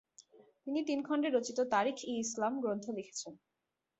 তিনি তিন খণ্ডে রচিত তারিখ-ই-ইসলাম গ্রন্থ লিখেছিলেন।